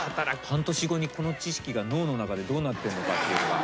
半年後にこの知識が脳の中でどうなってんのかっていうのが。